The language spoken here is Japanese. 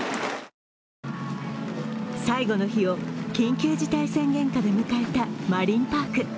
そして最後の日を緊急事態宣言下で迎えたマリンパーク。